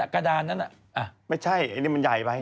กระดานนั้นไม่ใช่อันนี้มันใหญ่ไว้